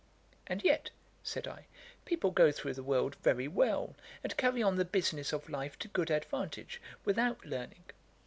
'And yet, (said I) people go through the world very well, and carry on the business of life to good advantage, without learning.'